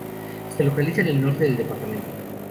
Se localiza en el norte del departamento.